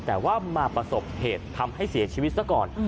แต่ว่ามาประสบเหตุทำให้เสียชีวิตซะก่อน